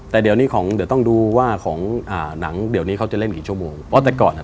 แต่จะต้องดูว่านางเขาจะเล่นกี่โชกง